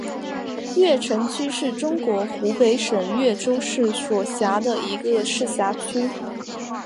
鄂城区是中国湖北省鄂州市所辖的一个市辖区。